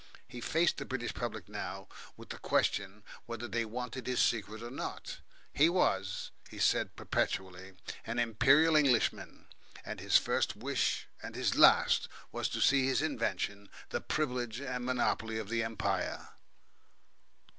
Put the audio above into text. He faced the British public now with the question whether they wanted his secret or not; he was, he said perpetually, an "Imperial Englishman," and his first wish and his last was to see his invention the privilege and monopoly of the Empire.